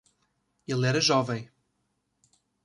Ele era jovem